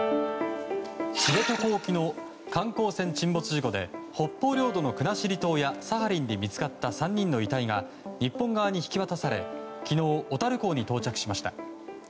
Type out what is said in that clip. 知床沖の観光船沈没事故で北方領土の国後島やサハリンで見つかった３人の遺体が日本側に引き渡され昨日、小樽港に到着しました。